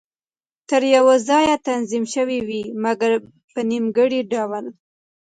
تر یوه ځایه تنظیم شوې وې، مګر په نیمګړي ډول.